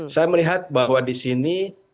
saya melihat bahwa di sini